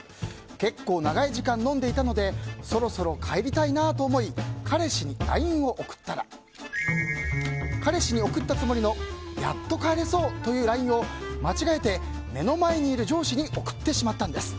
結構長いこと飲んでいたのでそろそろ帰りたいなと思い彼氏にＬＩＮＥを送ったら彼氏に送ったつもりのやっと帰れそうというＬＩＮＥを間違えて目の前にいる上司に送ってしまったんです。